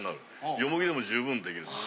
ヨモギでも十分できるんです。